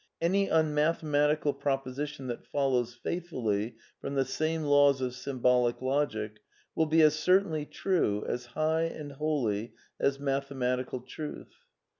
Any un mathematical proposition that follows faithfully from the same laws of symbolic logic will be as certainly true, as high and holy as mathematical truth.